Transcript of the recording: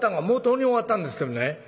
「もうとうに終わったんですけどね